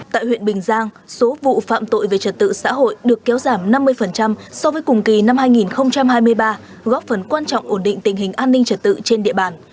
tại huyện bình giang số vụ phạm tội về trật tự xã hội được kéo giảm năm mươi so với cùng kỳ năm hai nghìn hai mươi ba góp phần quan trọng ổn định tình hình an ninh trật tự trên địa bàn